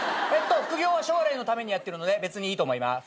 副業は将来のためにやってるので別にいいと思います。